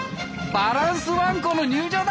バランスワンコの入場だ！